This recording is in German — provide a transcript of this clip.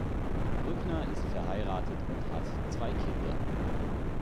Brückner ist verheiratet und hat zwei Kinder.